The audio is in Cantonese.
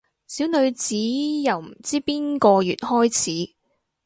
小女子由唔知邊個月開始